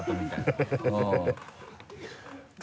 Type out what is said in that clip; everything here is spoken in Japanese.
ハハハ